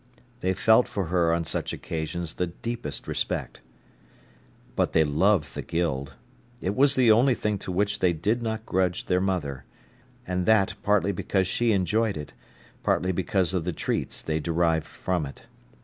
They felt for her on such occasions the deepest respect. But they loved the Guild. It was the only thing to which they did not grudge their mother—and that partly because she enjoyed it, partly because of the treats they derived from it.